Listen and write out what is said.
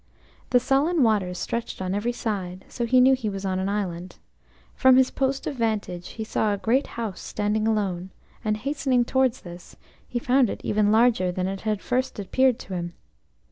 The sullen waters stretched on every side, so he knew he was on an island. From his post of vantage he saw a great house standing alone, and hastening towards this, he found it even larger than it had at first appeared to him.